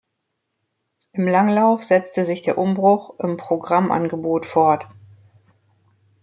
Im Langlauf setzte sich der Umbruch im Programmangebot fort.